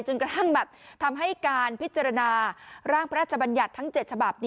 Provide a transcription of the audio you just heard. กระทั่งแบบทำให้การพิจารณาร่างพระราชบัญญัติทั้ง๗ฉบับ